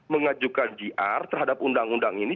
mengajukan jr terhadap undang undang ini